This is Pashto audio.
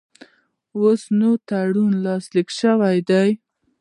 اوس نوی تړون لاسلیک شوی دی.